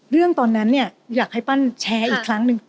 เรื่องตอนนั้นเนี่ยอยากให้ปั้นแชร์อีกครั้งหนึ่ง